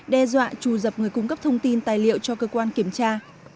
đe dọa trù dập người cung cấp thông tin tài liệu cho cơ quan kiểm tra